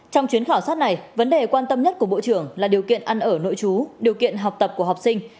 trong chuyến khảo sát này vấn đề quan tâm nhất của bộ trưởng là điều kiện ăn ở nội chú điều kiện học tập của học sinh